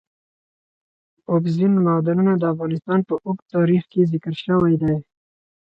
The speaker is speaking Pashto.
اوبزین معدنونه د افغانستان په اوږده تاریخ کې ذکر شوی دی.